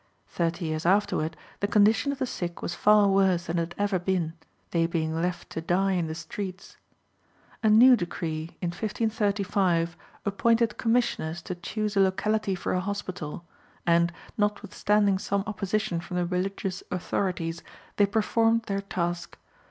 Thirty years afterward the condition of the sick was far worse than it had ever been, they being left to die in the streets. A new decree, in 1535, appointed commissioners to choose a locality for a hospital; and, notwithstanding some opposition from the religious authorities, they performed their task.